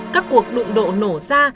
các cuộc đụng độ nổ ra